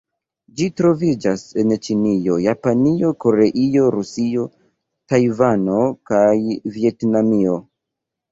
Ĝi troviĝas en Ĉinio, Japanio, Koreio, Rusio, Tajvano kaj Vjetnamio.